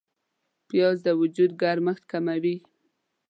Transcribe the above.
پیاز د وجود ګرمښت کموي